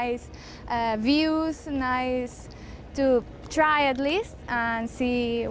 oke kami memutuskan untuk memilih dan ini adalah hari pertama kami